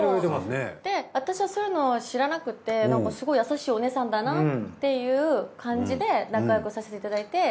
私はそういうの知らなくてすごい優しいお姉さんだなっていう感じで仲よくさせていただいて。